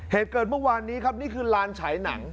เหตุเกิดเมื่อวานนี้ครับนี่คือลานฉายหนัง